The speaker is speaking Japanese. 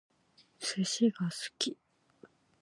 寿司が好き